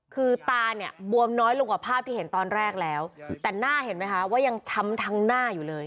คือตาเนี่ยบวมน้อยลงกว่าภาพที่เห็นตอนแรกแล้วแต่หน้าเห็นไหมคะว่ายังช้ำทั้งหน้าอยู่เลย